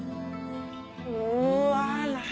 うわ何？